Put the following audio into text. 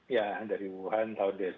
ya dari wuhan